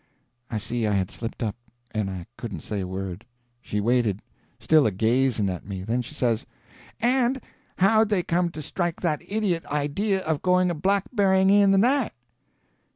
I see I had slipped up, and I couldn't say a word. She waited, still a gazing at me, then she says: "And how'd they come to strike that idiot idea of going a blackberrying in the night?"